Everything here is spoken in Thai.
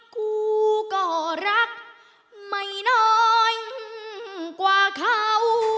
กูก็รักไม่น้อยกว่าเขา